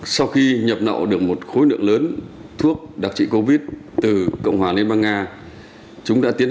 sau khi nhập nậu được một khối nượng lớn thuốc đặc trị covid từ cộng hòa liên bang nga